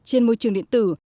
trên môi trường điện tử